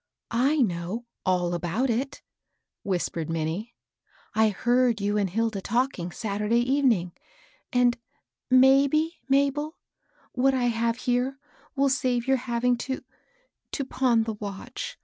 '*" I know all about it," whispered Minnie. " I (108) MINNIE. 109 heard you and Hilda talking Saturday evening. Andy mayhe^ Mabel, what I have here will save your having to — to pawn the watch.